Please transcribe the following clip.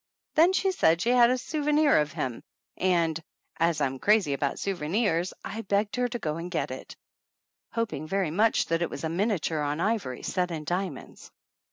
Then she said she had a souvenir of him, 186 THE ANNALS OF ANN and, as I'm crazy about souvenirs, I begged her to go and get it, hoping very much that it was a miniature on ivory set in diamonds.